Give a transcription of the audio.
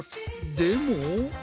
でも。